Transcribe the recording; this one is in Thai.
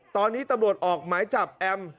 ตอนนี้ตำรวจออกหมายจับแอม